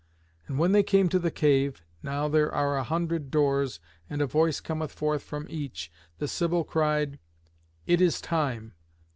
And when they came to the cave now there are a hundred doors, and a voice cometh forth from each the Sibyl cried, "It is time.